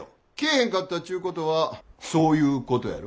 へんかったっちゅうことはそういうことやろ。